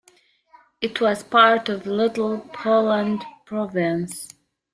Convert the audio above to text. It was part of Little Poland province.